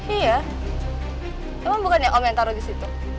iya emang bukan ya om yang taruh disitu